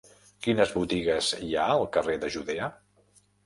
Quines botigues hi ha al carrer de Judea?